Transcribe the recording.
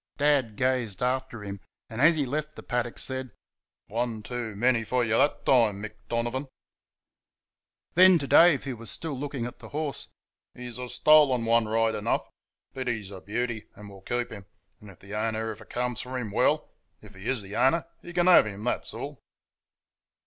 Dad gazed after him, and, as he left the paddock, said: "One too many f' y' that time, Mick Donovan!" Then to Dave, who was still looking at the horse: "He's a stolen one right enough, but he's a beauty, and we'll keep him; and if the owner ever comes for him, well if he is the owner he can have him, that's all."